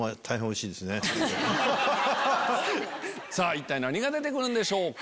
一体何が出てくるんでしょうか？